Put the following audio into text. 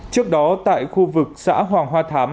trước đó tại khu vực xã hoàng hoa thám